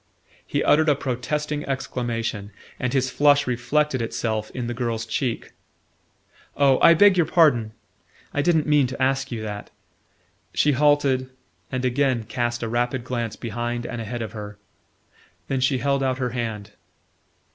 He uttered a protesting exclamation, and his flush reflected itself in the girl's cheek. "Oh, I beg your pardon! I didn't mean to ask you that." She halted, and again cast a rapid glance behind and ahead of her. Then she held out her hand.